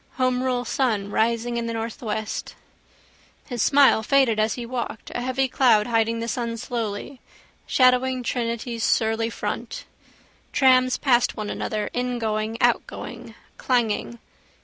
Homerule sun rising up in the northwest. His smile faded as he walked, a heavy cloud hiding the sun slowly, shadowing Trinity's surly front. Trams passed one another, ingoing, outgoing, clanging.